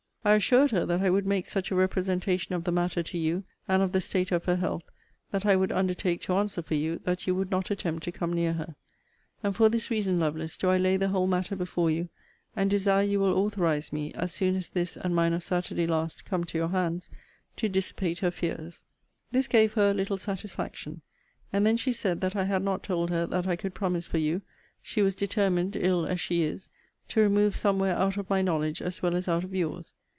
I assured her that I would make such a representation of the matter to you, and of the state of her health, that I would undertake to answer for you, that you would not attempt to come near her. And for this reason, Lovelace, do I lay the whole matter before you, and desire you will authorize me, as soon as this and mine of Saturday last come to your hands, to dissipate her fears. This gave her a little satisfaction; and then she said that had I not told her that I could promise for you, she was determined, ill as she is, to remove somewhere out of my knowledge as well as out of your's.